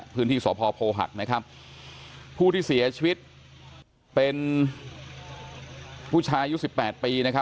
พื้นที่สวพโภหัสผู้ที่เสียชีวิตเป็นผู้ชายอายุ๑๘ปี